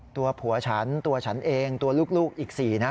ตัวผัวฉันตัวฉันเองตัวลูกอีก๔นะ